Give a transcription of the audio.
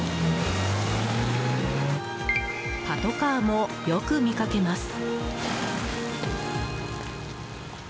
パトカーもよく見かけます。